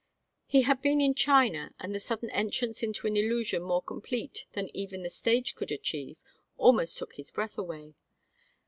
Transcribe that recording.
He had been in China, and the sudden entrance into an illusion more complete than even the stage could achieve almost took his breath away.